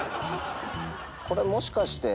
これもしかして。